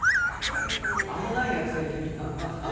あんな野性的な。